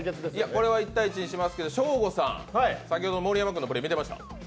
これは１対１にしますけど、ショーゴさん、先ほど、盛山君のプレー見てました？